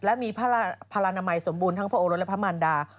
และมีพระราณมัยสมบูรณทั้งพระโอรสและพระมันดา